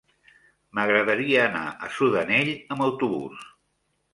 M'agradaria anar a Sudanell amb autobús.